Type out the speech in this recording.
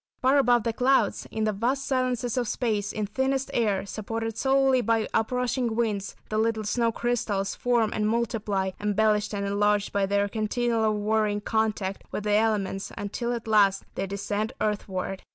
Far above the clouds, in the vast silences of space, in thinnest air, supported solely by up rushing winds, the little snow crystals form and multiply, embellished and enlarged by their continual warring contact with the elements, until at last they descend earthward.